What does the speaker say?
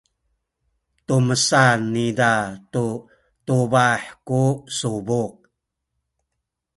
tumesan niza tu tubah ku subuk.